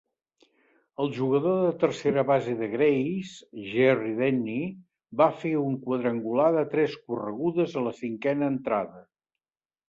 El jugador de tercera base de Greys, Jerry Denny, va fer un quadrangular de tres corregudes a la cinquena entrada.